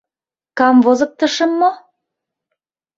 Камвозыктышым мо?..